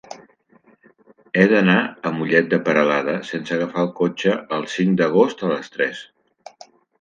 He d'anar a Mollet de Peralada sense agafar el cotxe el cinc d'agost a les tres.